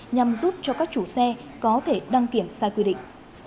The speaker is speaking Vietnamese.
nhằm giúp cho các chủ xe có thể đăng kiểm sai quy định